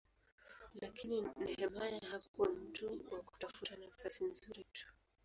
Lakini Nehemia hakuwa mtu wa kutafuta nafasi nzuri tu.